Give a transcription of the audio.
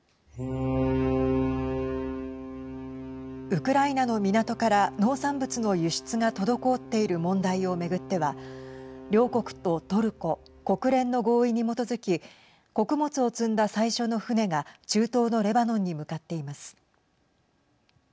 ウクライナの港から農産物の輸出が滞っている問題を巡っては両国とトルコ国連の合意に基づき穀物を積んだ最初の船が中東のレバノンに向かっています。